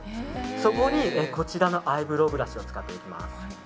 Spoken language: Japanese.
そこにこちらのアイブローブラシを使っていきます。